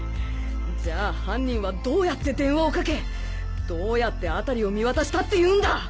じゃあ犯人はどうやって電話をかけどうやって辺りを見渡したっていうんだ！